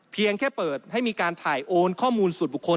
เพียงแค่เปิดให้มีการถ่ายโอนข้อมูลส่วนบุคคล